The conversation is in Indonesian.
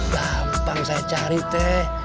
gampang saya cari teh